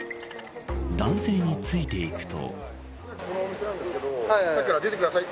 男性についていくと。